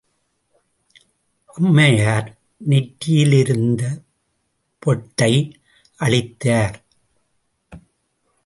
அம்மையார் நெற்றியிலிருந்த பொட்டை அழித்தார்.